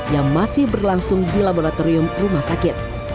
yang masih berlangsung di laboratorium rumah sakit